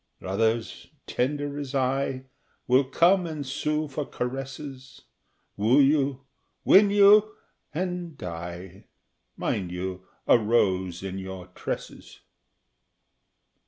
Others, tender as I, will come and sue for caresses, Woo you, win you, and die mind you, a rose in your tresses!